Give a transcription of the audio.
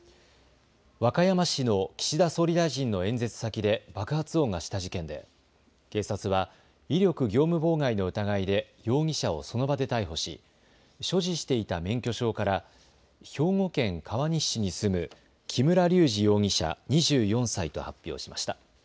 和歌山市の岸田総理大臣の演説先で爆発音がした事件で警察は威力業務妨害の疑いで容疑者をその場で逮捕し所持していた免許証から兵庫県川西市に住む木村隆二容疑者、２４歳と発表しました。